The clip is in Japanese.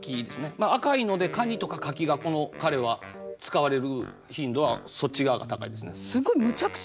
まあ赤いので蟹とか柿がこの彼は使われる頻度はそっち側が高いですね。